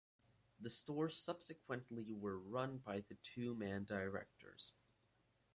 The stores subsequently were run by the two man directors.